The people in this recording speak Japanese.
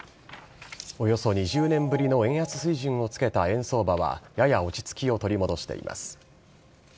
およそ２０年ぶりの円安水準を付けた円相場はやや落ち着きを取り戻しています。